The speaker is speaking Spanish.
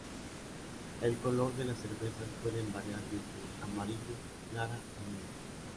El color de las cervezas pueden variar desde amarillo clara a negro.